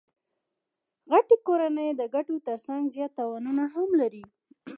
غټي کورنۍ د ګټو ترڅنګ زیات تاوانونه هم لري.